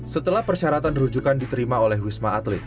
setelah persyaratan rujukan diterima oleh wisma atlet